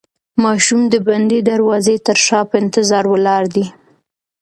ماشوم د بندې دروازې تر شا په انتظار ولاړ دی.